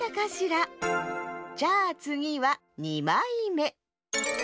じゃあつぎは２まいめ。